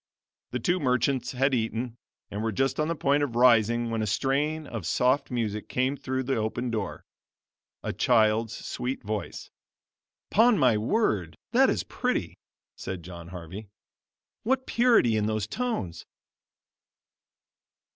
The two merchants had eaten, and were just on the point of rising when a strain of soft music came through the open door a child's sweet voice. "'Pon my word, that is pretty," said John Harvey; "what purity in those tones!"